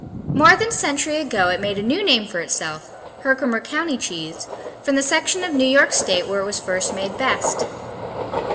More than a century ago it made a new name for itself, Herkimer County cheese, from the section of New York State where it was first made best.